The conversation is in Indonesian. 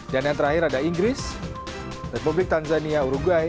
dan yang terakhir ada inggris republik tanzania uruguay